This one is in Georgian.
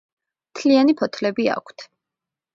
მთლიანი ფოთლები აქვთ.